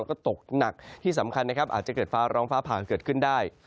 แล้วก็ตกหนักที่สำคัญนะครับอาจจะเกิดฟ้าร้องฟ้าผ่าเกิดขึ้นได้